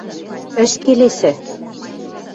Ӹш келесӹ!